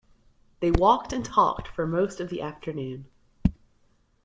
They walked and talked for most of the afternoon.